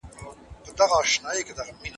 د مسمومیت په وخت کې د شیدو څښل ګټور نه دي.